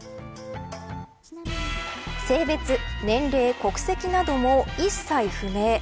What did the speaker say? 性別、年齢、国籍なども一切不明。